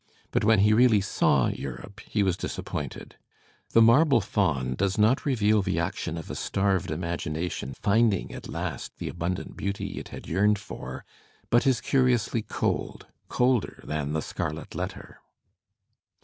But when he really saw Europe he was disappointed. "The Marble Paim" does not reveal the action of a starved imagination finding at last the abundant beauty it had yearned for, but is curiously cold, colder than "The Scarlet Letter."